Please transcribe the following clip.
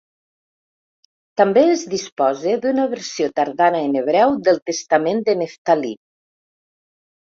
També es dispose d'una versió tardana en hebreu del testament de Neftalí.